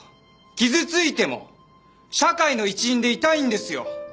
傷ついても社会の一員でいたいんですよ。